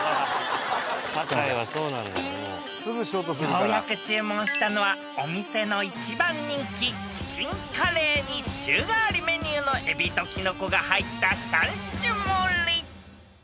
［ようやく注文したのはお店の一番人気チキンカレーに週替わりメニューのエビとキノコが入った３種盛］